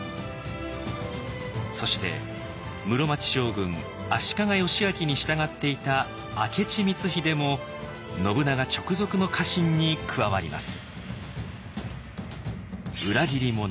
そして室町将軍足利義昭に従っていた明智光秀も信長直属の家臣に加わります。